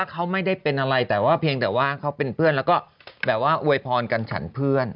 เขาไม่ได้เป็นอะไรแต่ว่าเพียงแต่ว่าเขาเป็นเพื่อนแล้วก็แบบว่าอวยพรกันฉันเพื่อน